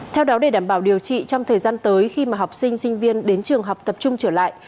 theo đó để đảm bảo điều trị trong thời gian tới khi mà học sinh sinh viên đến trường học tập trung trở lại